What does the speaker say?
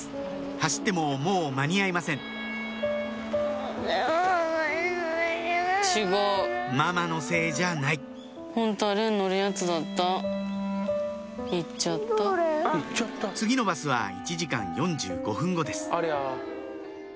走ってももう間に合いませんママのせいじゃない次のバスは１時間４５分後です